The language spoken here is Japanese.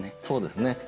そうですね。